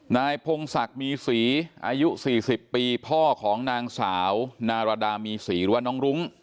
นายพงศักดิ์มีศรีอายุ๔๐ปีพ่อของนางสาวนารดามีศรีหรือว่าน้องรุ้ง